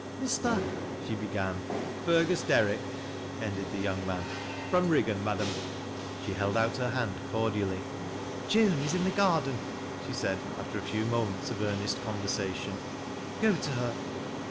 " Mr. " she began. " Fergus Derrick," ended the young man. " From Riggan, madam." She held out her hand cordially. " Joan is in the garden," she said, after a few moments Df earnest conversation. " Go to her."